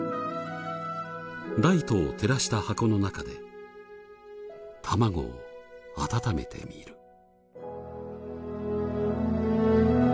ライトを照らした箱の中で卵を温めてみる。